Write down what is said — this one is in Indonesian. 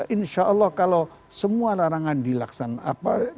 insya allah kalau semua larangan dilaksanakan